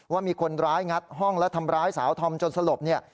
ว่ามีคนร้ายงัดห้องและทำร้ายสาวธอมจนสลบเนี่ย